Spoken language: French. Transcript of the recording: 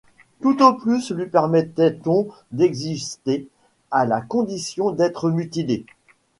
Tout au plus lui permettait-on d'exister à la condition d'être mutilée.